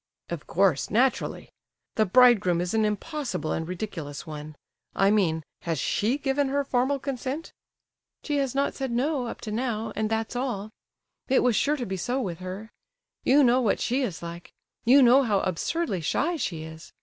"Of course, naturally. The bridegroom is an impossible and ridiculous one. I mean, has she given her formal consent?" "She has not said 'no,' up to now, and that's all. It was sure to be so with her. You know what she is like. You know how absurdly shy she is.